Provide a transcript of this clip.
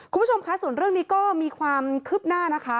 คุณผู้ชมคะส่วนเรื่องนี้ก็มีความคืบหน้านะคะ